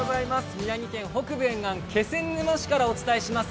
宮城県北部沿岸、気仙沼市からお伝えします。